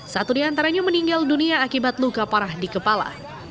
satu di antaranya meninggal dunia akibat luka parah di kepala